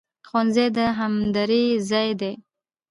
ښوونځی د همدرۍ ځای دی